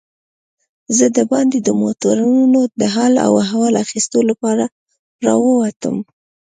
زه دباندې د موټرانو د حال و احوال اخیستو لپاره راووتم.